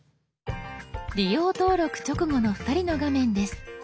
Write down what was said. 利用登録直後の２人の画面です。